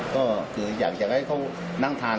ก็คืออยากจะให้เขานั่งทาน